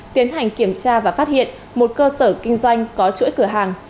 tiến hành kiểm tra và phát hiện một cơ sở kinh doanh có chuỗi cửa hàng